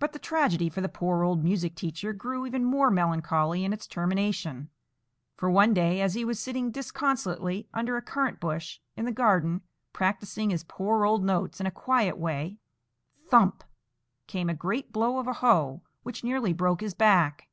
But the tragedy for the poor old music teacher grew even more melancholy in its termination; for one day, as he was sitting disconsolately under a currant bush in the garden, practising his poor old notes in a quiet way, thump came a great blow of a hoe, which nearly broke his back.